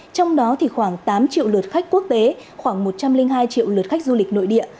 trong đó thì khoảng tám triệu lượt khách quốc tế khoảng một trăm linh hai triệu lượt khách du lịch nội địa